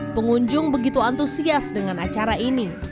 pengunjung begitu antusias dengan acara ini